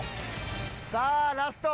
さあラスト！